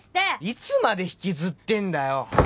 いつまで引きずってんだよ！